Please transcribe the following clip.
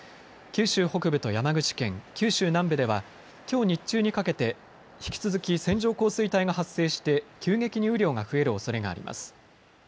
九州北部と山口県、九州南部ではきょう日中にかけて引き続き線状降水帯が発生して急激に雨量が増えるおそれがあります。